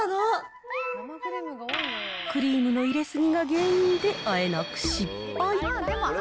クリームの入れ過ぎが原因であえなく失敗。